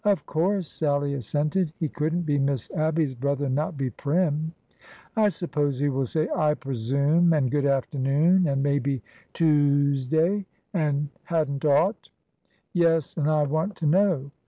'' Of course," Sallie assented ;'' he could n't be Miss Abby's brother and not be prim. I suppose he will say, ' I presume,' and ' good afternoon,' and maybe ' Toosday ' and ' had n't ought.' " Yes, and ^ I want to know